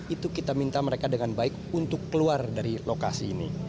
itu kita minta mereka dengan baik untuk keluar dari lokasi ini